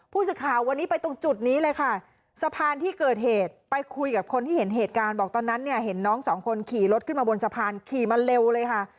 ผู้สื่อข่าววันนี้ไปตรงจุดนี้เลยค่ะสะพานที่เกิดเหตุไปคุยกับคนที่เห็นเหตุการณ์บอกตอนนั้นเนี่ยเห็นน้องสองคนขี่รถขึ้นมาบนสะพานขี่มาเร็วเลยค่ะ